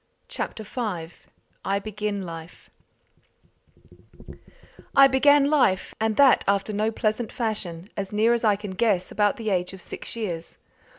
CHAPTER V I Begin Life I began life, and that after no pleasant fashion, as near as I can guess, about the age of six years.